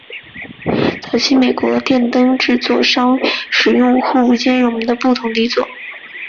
早期美国的电灯制造商使用互不兼容的不同底座。